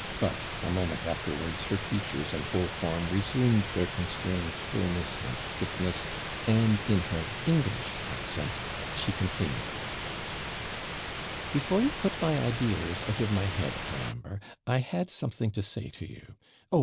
But a moment afterwards her features and whole form resumed their constrained stillness and stiffness, and, in her English accent, she continued 'Before you put my IDEES out of my head, Colambre, I had something to say to you Oh!